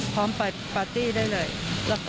พร้อมไปปาร์ตี้ได้เลยแล้วก็ใส่มงคุด